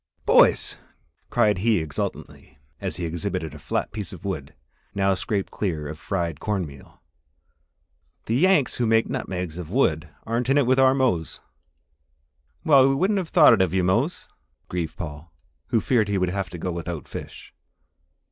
"Boys," cried he exultantly, as he exhibited a flat piece of wood, now scraped clear of fried cornmeal, "the Yanks who make nutmegs of wood aren't in it with our Mose!" "Well! we wouldn't have thought it of you, Mose," grieved Paul, who feared he would have to go without fish.